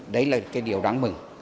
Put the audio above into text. đấy là cái điều đáng mừng